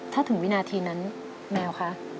ถ้าถึงวินาทีนั้นแมวคะ